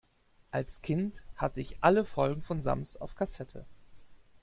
Als Kind hatte ich alle Folgen vom Sams auf Kassette.